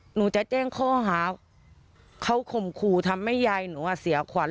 หนูจะแจ้งข้อหาเขาคมขึมทำให้แย่หนูเสียขวร